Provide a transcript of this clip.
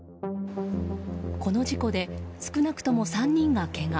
この事故で少なくとも３人がけが。